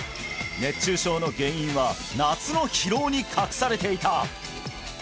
熱中症の原因は夏の疲労に隠されていた！